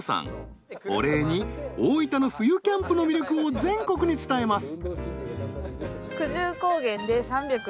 お礼に大分の冬キャンプの魅力を全国に伝えます。